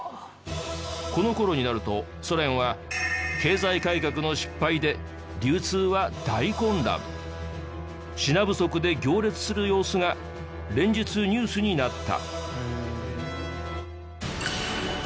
この頃になるとソ連は品不足で行列する様子が連日ニュースになった。